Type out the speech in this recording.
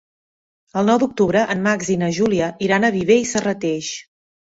El nou d'octubre en Max i na Júlia iran a Viver i Serrateix.